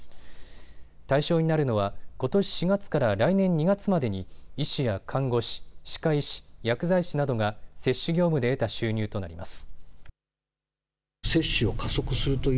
対象になるのは、ことし４月から来年２月までに医師や看護師、歯科医師、薬剤師などが接種業務で得た収入となります。